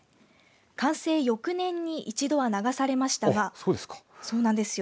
完成翌年に一度は流されましたがあ、そうですか。